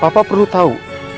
kalau papa perlu tau